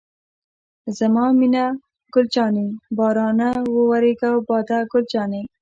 زما مینه ګل جانې، بارانه وورېږه او باده ګل جانې.